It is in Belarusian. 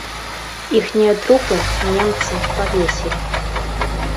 Іхнія трупы немцы павесілі.